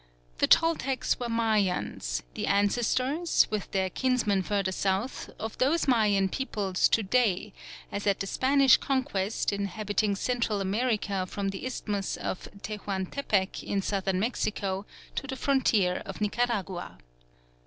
The Toltecs were Mayans, the ancestors, with their kinsmen further south, of those Mayan peoples to day, as at the Spanish Conquest, inhabiting Central America from the Isthmus of Tehuantepec in Southern Mexico to the frontier of Nicaragua.